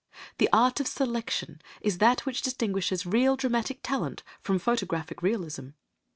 The art of selection is that which distinguishes real dramatic talent from photographic realism.